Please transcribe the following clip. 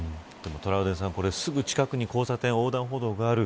トラウデンさん、すぐ近くに交差点、横断歩道がある。